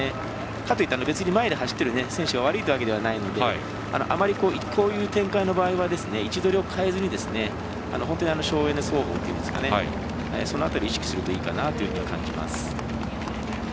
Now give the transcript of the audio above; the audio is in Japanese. かといって、別に前に走っている選手が悪いというわけじゃないのであまり、こういう展開の場合は位置取りを変えずに本当に省エネ走法というかその辺り意識するといいかなと感じます。